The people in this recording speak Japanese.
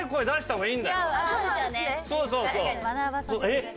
えっ！